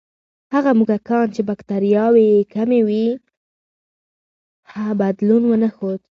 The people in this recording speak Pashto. هغه موږکان چې بکتریاوې یې کمې وې، بدلون ونه ښود.